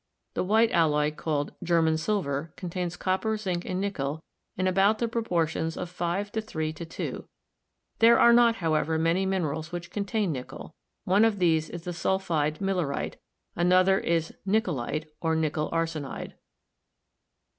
The white alloy called "German silver" contains Copper, zinc and nickel in about the proportions of 5:3:2. There are not, however, many minerals which contain nickel. One of these is the sulphide millerite ; an other is niccolite, or nickel arsenide.